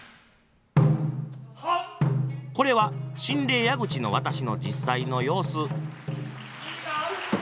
これは「神霊矢口渡」の実際の様子。